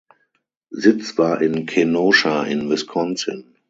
Sitz war in Kenosha in Wisconsin.